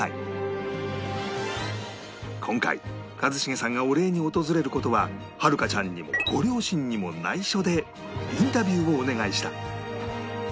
今回一茂さんがお礼に訪れる事は遥佳ちゃんにもご両親にも内緒でインタビューをお願いした